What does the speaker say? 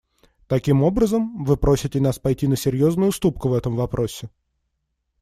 Таким образом, вы просите нас пойти на серьезную уступку в этом вопросе.